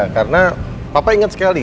karena papa inget sekali